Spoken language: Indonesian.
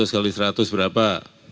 seratus x seratus berapa